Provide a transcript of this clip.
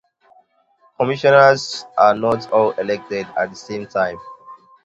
Commissioners are not all elected at the same time.